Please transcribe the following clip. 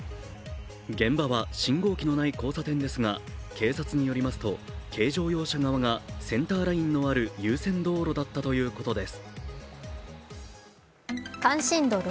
現場は信号機のない交差点ですが、警察によりますと軽乗用車側がセンターラインのある優先道路だったということです。